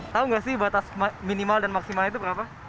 tahu nggak sih batas minimal dan maksimal itu berapa